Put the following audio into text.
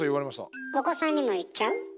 お子さんにも言っちゃう？